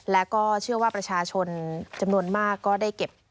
และก็เชื่อว่าประชาชนจำนวนมากก็ได้เก็บ